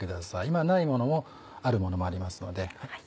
今ないものもあるものもありますので。